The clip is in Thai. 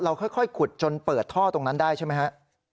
ค่อยขุดจนเปิดท่อตรงนั้นได้ใช่ไหมฮะ